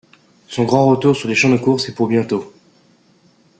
Son grand retour sur les champs de courses est pour bientôt.